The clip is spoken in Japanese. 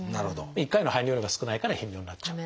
１回の排尿量が少ないから頻尿になっちゃう。